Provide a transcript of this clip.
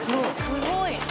すごい。